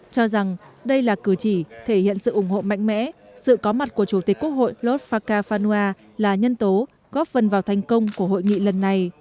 cho rằng đây là cử chỉ thể hiện sự ủng hộ mạnh mẽ sự có mặt của chủ tịch quốc hội los faka fanwa là nhân tố góp phần vào thành công của hội nghị lần này